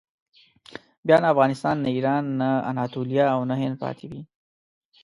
بیا نه افغانستان، نه ایران، نه اناتولیه او نه هند پاتې وي.